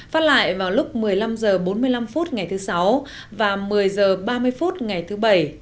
phát lại vào lúc một mươi năm h bốn mươi năm phút ngày thứ sáu và một mươi h ba mươi phút ngày thứ bảy trên sóng truyền hình nhân dân